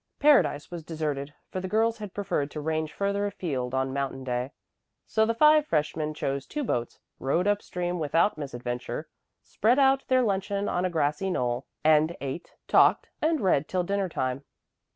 Paradise was deserted, for the girls had preferred to range further afield on Mountain Day. So the five freshmen chose two boats, rowed up stream without misadventure, spread out their luncheon on a grassy knoll, and ate, talked, and read till dinner time.